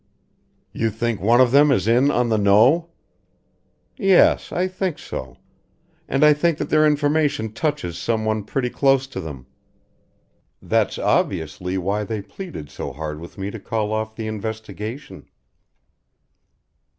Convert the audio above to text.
"You think one of them is in on the know?" "Yes, I think so. And I think that their information touches someone pretty close to them. That's obviously why they pleaded so hard with me to call off the investigation."